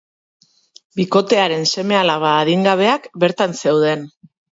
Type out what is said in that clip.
Bikotearen seme-alaba adingabeak bertan zeuden.